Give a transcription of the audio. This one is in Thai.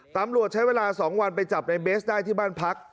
ตำรวจใช้เวลา๒วันไปจับในเบสได้ที่บ้านพัก